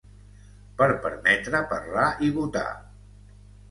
Per permetre parlar i votar!